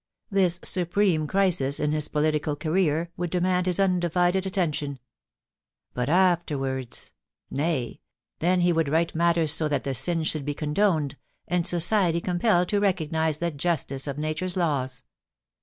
This supreme crisis in his political career would demand his undivided attention. But afterwards. ... Nay, then he would right matters so that the sin should be condoned, and society compelled to recognise the justice of Nature's laws.